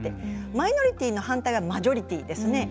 マイノリティーの反対はマジョリティーですね。